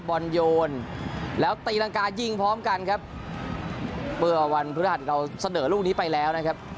บอลโยนแล้วตีรังกายิงพร้อมกันครับเมื่อวันพฤหัสเราเสนอลูกนี้ไปแล้วนะครับ